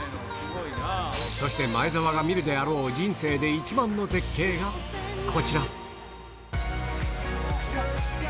そして前澤が見るであろう人生で一番の絶景がこちら。